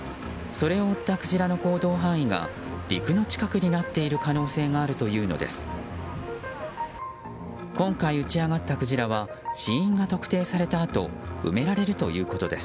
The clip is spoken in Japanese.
それを追ったクジラの行動範囲が陸の近くになっている可能性があるというのです。